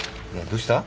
どうした？